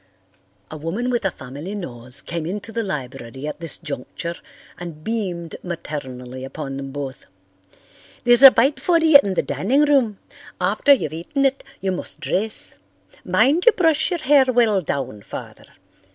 A woman with a family nose came into the library at this juncture and beamed maternally upon them both. "There's a bite for you in the dining room. After you've eaten it you must dress. Mind you brush your hair well down, Father.